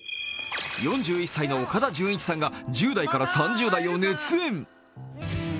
４１歳の岡田准一さんが１０代から３０代を熱演。